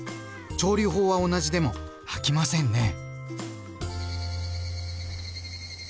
調理法は同じでも飽きませんね。